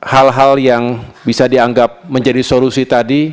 hal hal yang bisa dianggap menjadi solusi tadi